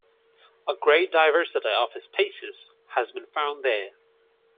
A great diversity of species has been found there.